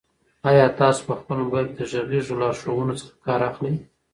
آیا تاسو په خپل موبایل کې د غږیزو لارښوونو څخه کار اخلئ؟